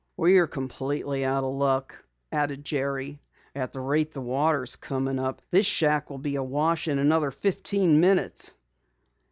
"We're completely out of luck," added Jerry. "At the rate the water is coming up, this shack will be awash in another fifteen minutes."